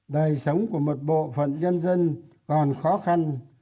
đời sống của một bộ phận nhân dân còn khó khăn